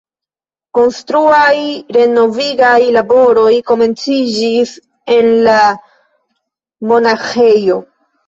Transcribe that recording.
Konstruaj renovigaj laboroj komenciĝis en lamonaĥejo.